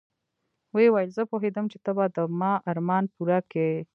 ويې ويل زه پوهېدم چې ته به د ما ارمان پوره کيې.